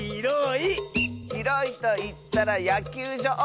「ひろいといったらやきゅうじょう！」